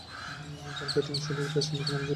তার ব্যাটিংশৈলী বেশ উন্নতমানের ছিল।